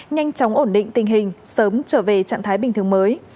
nhanh chóng ổn định tình hình sớm trở về trạng thái bình thường mới